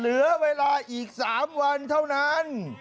เหลือเวลาอีก๓วันเท่านั้น